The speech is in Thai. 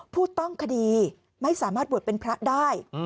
ผู้ต้องคดีไม่สามารถบวชเป็นพระได้